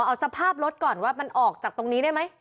เอาสภาพรถก่อนว่ามันออกจากตรงนี้ได้ไหม